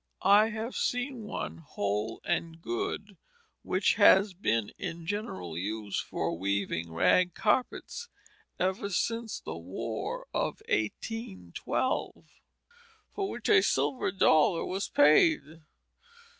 I have seen one whole and good, which has been in general use for weaving rag carpets ever since the War of 1812, for which a silver dollar was paid.